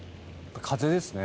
風ですね。